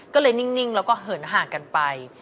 ก็เลยนิ่งแล้วก็เหินห่างกันไป